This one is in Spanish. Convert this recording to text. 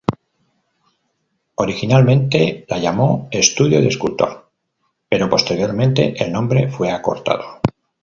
Originalmente la llamó 'Estudio de escultor', pero posteriormente, el nombre fue acortado.